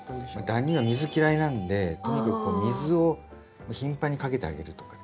ダニは水嫌いなんでとにかくこう水を頻繁にかけてあげるとか。